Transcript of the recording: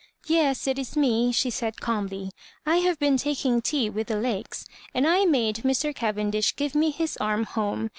•* Yes, it is me," she said, calmly ;" I have been taking tea with the Lakes, and I made Mr. Cavendish give me his arm home.